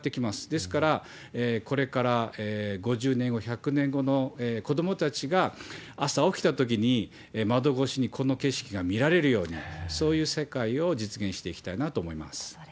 ですから、これから５０年後、１００年後の子どもたちが朝起きたときに、窓越しにこの景色が見られるように、そういう世界を実現していきたいなと思います。